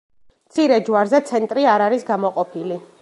მცირე ჯვარზე ცენტრი არ არის გამოყოფილი.